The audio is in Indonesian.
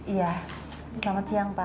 iya selamat siang pak